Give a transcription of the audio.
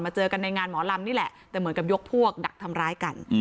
เจอกันในงานหมอลำนี่แหละแต่เหมือนกับยกพวกดักทำร้ายกัน